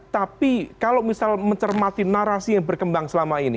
tapi kalau misal mencermati narasi yang berkembang selama ini